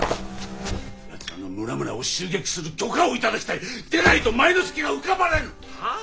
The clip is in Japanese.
やつらの村々を襲撃する許可を頂きたい！でないと前之助が浮かばれぬ！はあ？